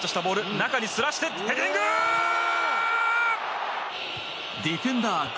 中にすらしてヘディング！